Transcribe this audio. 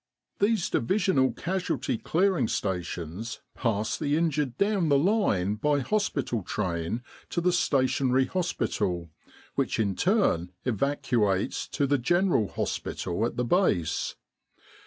These Divisional Casualty Clearing Stations pass the in jured down the line by hospital train to the Station ary Hospital, which in turn evacuates to the General Hospital at the Base.